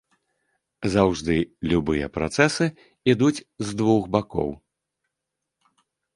Заўжды любыя працэсы ідуць з двух бакоў.